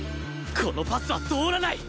このパスは通らない！